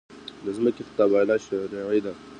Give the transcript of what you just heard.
د ځمکې قباله شرعي ده؟